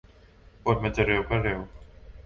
บทจะเร็วมันก็เร็ว